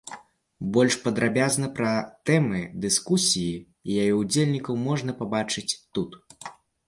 Больш падрабязна пра тэмы дыскусіі і яе ўдзельнікаў можна пабачыць тут.